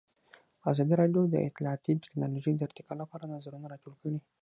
ازادي راډیو د اطلاعاتی تکنالوژي د ارتقا لپاره نظرونه راټول کړي.